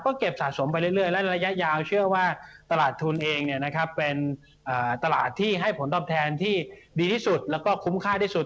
ก็เก็บสะสมไปเรื่อยและระยะยาวเชื่อว่าตลาดทุนเองเป็นตลาดที่ให้ผลตอบแทนที่ดีที่สุดแล้วก็คุ้มค่าที่สุด